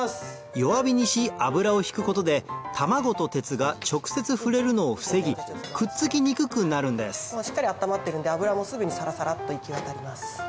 弱火にし油をひくことで卵と鉄が直接触れるのを防ぎくっつきにくくなるんですしっかり温まってるんで油もすぐにサラサラっと行き渡ります。